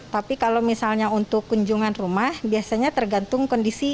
tapi kalau misalnya untuk kunjungan rumah biasanya tergantung kondisi